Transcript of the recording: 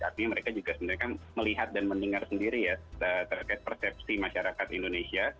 artinya mereka juga sebenarnya melihat dan mendengar sendiri ya terkait persepsi masyarakat indonesia